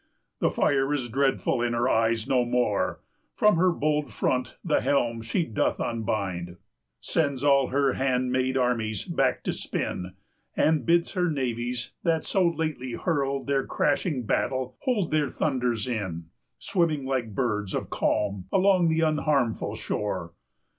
The fire is dreadful in her eyes no more; From her bold front the helm she doth unbind, 395 Sends all her handmaid armies back to spin, And bids her navies, that so lately hurled Their crashing battle, hold their thunders in, Swimming like birds of calm along the unharmful shore.